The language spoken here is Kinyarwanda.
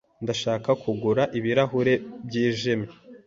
Ndashaka kugura ibirahuri byijimye.